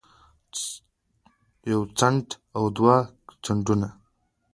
يو څټ او دوه څټونه